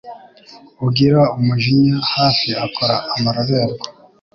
Ugira umujinya hafi akora amarorerwa